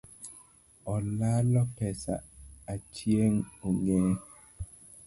Olalo pesa Achieng ongeyo